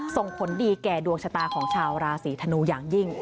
ส่งผลดีแก่ดวงชะตาของชาวราศีธนูอย่างยิ่ง